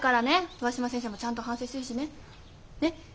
上嶋先生もちゃんと反省してるしね。ね？